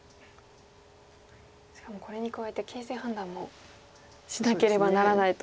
しかもこれに加えて形勢判断もしなければならないと。